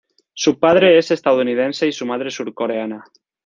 Su padre es estadounidense y su madre surcoreana.